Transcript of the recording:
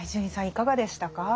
いかがでしたか？